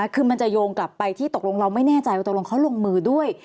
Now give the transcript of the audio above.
คือมันจะโยงกลับไปที่ตกลงเราไม่แน่ใจว่าตกลงเขาลงมือด้วย